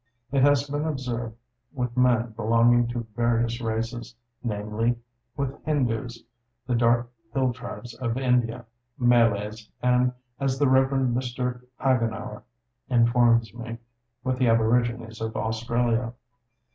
It has been observed with men belonging to various races, namely with Hindoos, the dark hill tribes of India, Malays, and, as the Rev. Mr. Hagenauer informs me, with the aborigines of Australia.